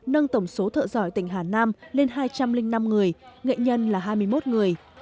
nâng tổng số thợ giỏi tỉnh hà nam lên hai trăm linh năm người nghệ nhân là hai mươi một người